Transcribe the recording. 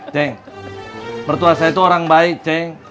ceng bertuah saya tuh orang baik ceng